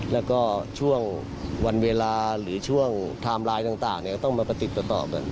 แล้วก็ช่วงวันเวลาหรือช่วงทาแมนต์รายต่างต้องมาประติศต่อกัน